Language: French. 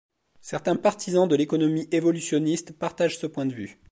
Certains partisans de l’économie évolutionniste partagent ce point de vue.